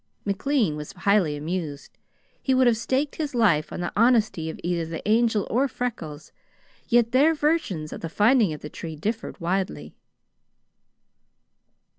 McLean was highly amused. He would have staked his life on the honesty of either the Angel or Freckles; yet their versions of the finding of the tree differed widely.